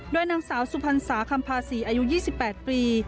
โดยนางสาวสุพรรษาคำภาษีอายุ๒๘ปี